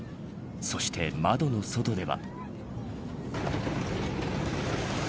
そして窓の外では。